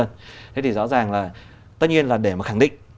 thế thì rõ ràng là tất nhiên là để mà khẳng định